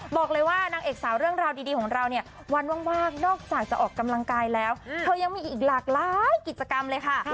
บอกเลยว่านางเอกสาวเรื่องราวดีของเราเนี่ยวันว่างนอกจากจะออกกำลังกายแล้วเธอยังมีอีกหลากหลายกิจกรรมเลยค่ะ